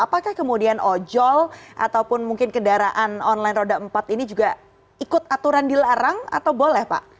apakah kemudian ojol ataupun mungkin kendaraan online roda empat ini juga ikut aturan dilarang atau boleh pak